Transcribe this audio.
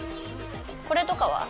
これとかは？